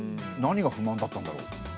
何が不満だったんだろう？